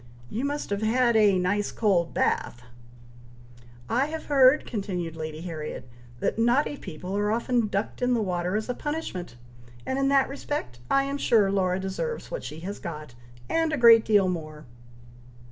You must have had a nice cold bath!" "I have heard," continued Lady Harriet, "that naughty people are often ducked in the water as a punishment, and in that respect I am sure Laura deserves what she has got, and a great deal more."